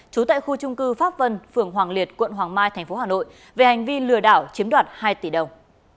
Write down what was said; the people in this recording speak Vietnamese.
trú tại khu trung cư pháp vân phường hoàng liệt quận hoàng mai tp hà nội về hành vi lừa đảo chiếm đoạt hai tỷ đồng